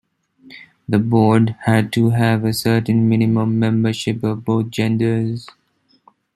The board had to have a certain minimum membership of both genders.